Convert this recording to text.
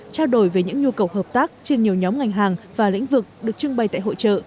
trao đổi về những nhu cầu hợp tác trên nhiều nhóm ngành hàng và lĩnh vực được trưng bày tại hội trợ